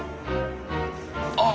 あ！